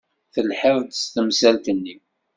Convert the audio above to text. Telhiḍ-d s temsalt-nni.